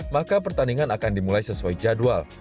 maka pertandingan akan dimulai sesuai jadwal